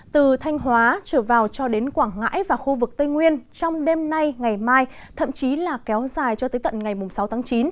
từ thanh hóa trở vào cho đến quảng ngãi và khu vực tây nguyên trong đêm nay ngày mai thậm chí là kéo dài cho tới tận ngày sáu tháng chín